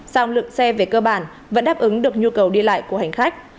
song lượng xe về cơ bản vẫn đáp ứng được nhu cầu đi lại của hành khách